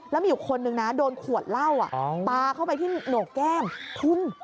แล้วมีอีกคนนึงนะโดนขวดเหล้าปลาเข้าไปที่โหนกแก้มทุ่น